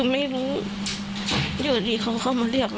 ให้ดื่มปัสสาวะตัวเอง